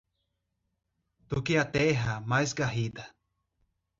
Do que a terra, mais garrida